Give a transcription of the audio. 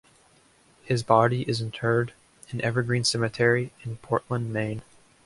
His body is interred in Evergreen Cemetery in Portland, Maine.